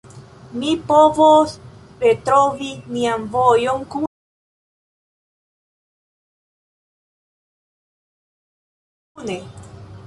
Ni provos retrovi nian vojon kune.